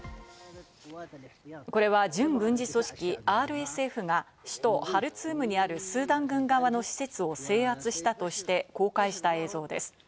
これは準軍事組織ＲＳＦが首都ハルツームにあるスーダン軍側の施設を制圧したとして公開した映像です。